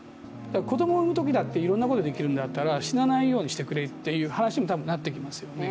子供を産むときだっていろんなことができるんだったら死なないようにしてくれっていう話になってきますよね。